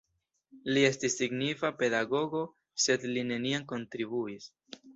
Li estis signifa pedagogo, sed li neniam kontribuis.